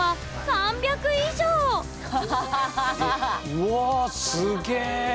うわすげえ！